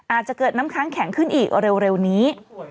อาจจะเกิดน้ำค้างแข็งขึ้นอีกเร็วนี้